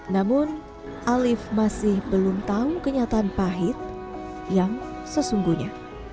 namun alif masih belum tahu kenyataan pahit yang sesungguhnya